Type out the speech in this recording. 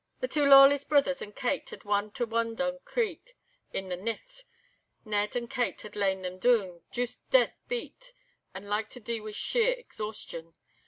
The twa Lawless brithers and Kate had won to Wandong Creek i' the nicht—Ned and Kate had lain them doon, joost dead beat and like to dee wi' sheer exhaustion.